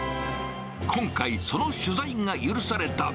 今回、その取材が許された。